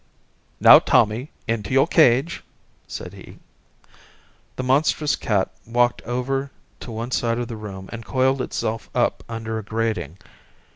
"Now, Tommy, into your cage!" said he. The monstrous cat walked over to one side of the room and coiled itself up under a grating.